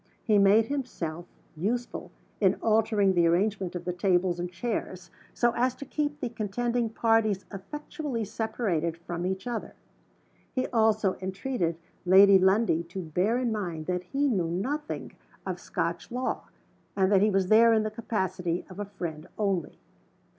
He made himself useful in altering the arrangement of the tables and chairs, so as to keep the contending parties effectually separated from each other. He also entreated Lady Lundie to bear in mind that he knew nothing of Scotch law, and that he was there in the capacity of a friend only.